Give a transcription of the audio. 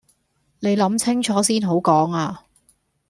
你諗清楚先好講呀